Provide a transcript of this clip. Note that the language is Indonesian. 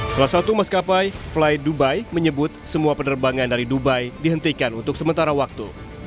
salah satu maskapai fly dubai menyebut semua penerbangan dari dubai dihentikan untuk sementara waktu